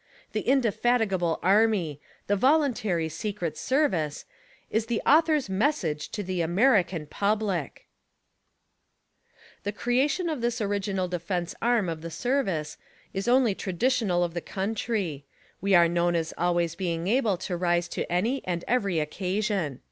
The Indefatigable Army^the Voluntary Secret Service is the author's message to the American public ! The creation of this original defence arm of the service is only traditional of the country; we are known as always being able to rise to any and every occasion.